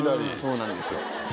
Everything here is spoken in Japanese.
そうなんですよ。